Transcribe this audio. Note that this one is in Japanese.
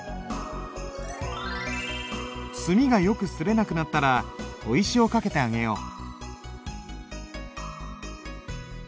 墨がよくすれなくなったら砥石をかけてあげよう。